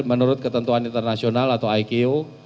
menurut ketentuan internasional atau iko